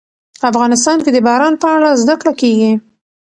افغانستان کې د باران په اړه زده کړه کېږي.